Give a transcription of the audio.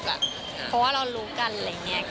เพราะว่าเรารู้กันอะไรอย่างนี้